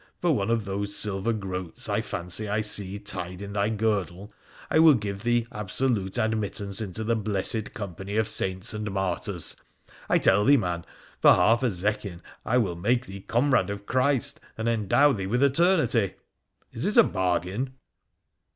For one of those silver groats I fancy I see tied in thy girdle I will give thee absolute admittance into the blessed company of saints and martyrs. I tell thee, man, for half a zecchin I will make thee comrade of Christ and endow thee with eternity ! Is it a bargain